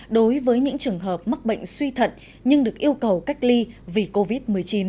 đối với những trường hợp mắc bệnh suy thận nhưng được yêu cầu cách ly vì covid một mươi chín